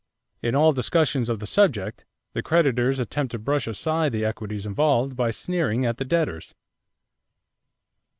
In all discussions of the subject the creditors attempt to brush aside the equities involved by sneering at the debtors."